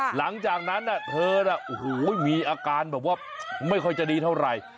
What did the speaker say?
หลังจากนั้นเธอน่ะโอ้โหมีอาการแบบว่าไม่ค่อยจะดีเท่าไหร่